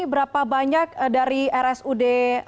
berapa banyak dari rsud